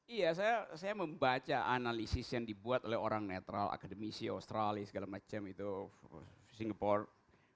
iya saya membaca analisis yang dibuat oleh orang netral akademisi australia segala macam itu singapura